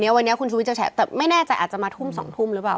วันนี้คุณชุวิตจะแฉะแต่ไม่แน่ใจอาจจะมาทุ่ม๒ทุ่มหรือเปล่า